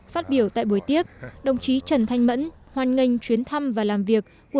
phát biểu tại buổi tiếp đồng chí trần thanh mẫn hoan nghênh chuyến thăm và làm việc